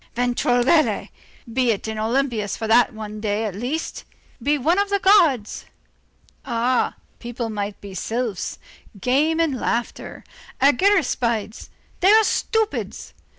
Ventregoulette! be in Olympus for that one day, at least. Be one of the gods. Ah! people might be sylphs. Games and Laughter, argiraspides; they are stupids.